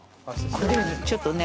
これちょっとね。